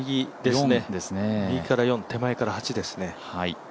右から４、手前から８ですね。